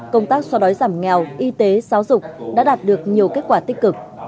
công tác so đói giảm nghèo y tế giáo dục đã đạt được nhiều kết quả tích cực